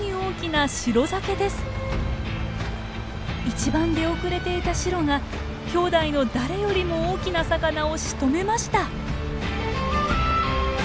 一番出遅れていたシロがきょうだいの誰よりも大きな魚をしとめました！